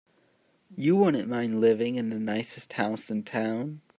You wouldn't mind living in the nicest house in town.